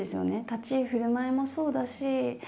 立ち居振る舞いもそうですし。